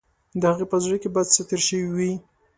د هغې په زړه کې به څه تیر شوي وي.